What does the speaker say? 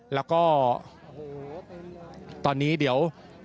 แล้วก็ตอนนี้เดี๋ยว